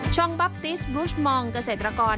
องบับติสบลูชมองเกษตรกร